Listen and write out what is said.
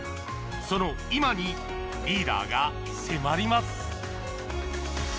その今にリーダーが迫ります。